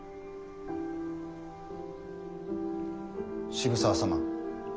渋沢様